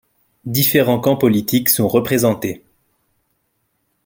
Différents camps politiques sont représentés.